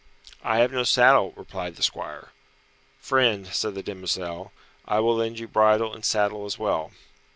"I have no saddle," replied the squire. "Friend," said the demoiselle, "I will lend you bridle and saddle as well."